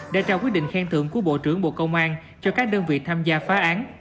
đã trao quyết định khen thưởng của bộ trưởng bộ công an cho các đơn vị tham gia phá án